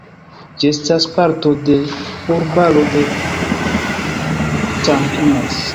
Ĝi estas parto de urbaro de Campinas.